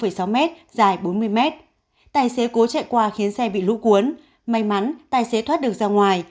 dài một mươi sáu m dài bốn mươi m tài xế cố chạy qua khiến xe bị lũ cuốn may mắn tài xế thoát được ra ngoài